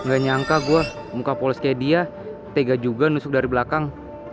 engga nyangka gua muka polos kaya dia tega juga nusuk dari belakang